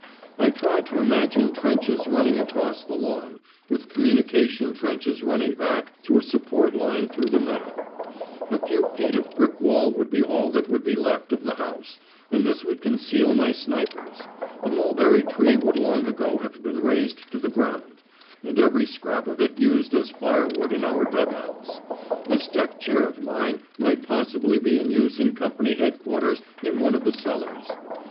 I tried to imagine trenches running across the lawn, with communication trenches running back to a support line through the meadow; a few feet of brick wall would be all that would be left of the house, and this would conceal my snipers; the mulberry tree would long ago have been razed to the ground, and every scrap of it used as firewood in our dug outs; this deck chair of mine might possibly be in use in Company Headquarters in one of the cellars.